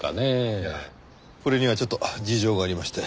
いやこれにはちょっと事情がありまして。